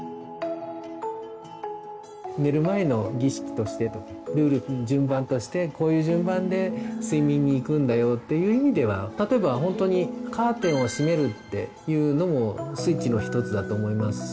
寝る前の儀式としてルール順番としてこういう順番で睡眠にいくんだよっていう意味では例えばほんとにカーテンをしめるっていうのもスイッチの一つだと思いますし。